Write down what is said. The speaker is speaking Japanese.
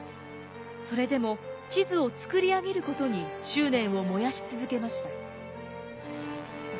それでも地図を作り上げることに執念を燃やし続けました。